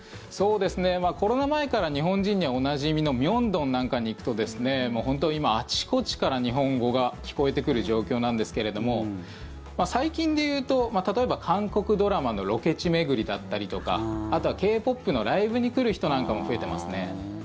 コロナ前から日本人にはおなじみの明洞なんかに行くと本当、今あちこちから日本語が聞こえてくる状況なんですけれども最近で言うと例えば韓国ドラマのロケ地巡りだったりとかあとはＫ−ＰＯＰのライブに来る人なんかも増えてますね。